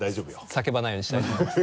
叫ばないようにしたいと思います。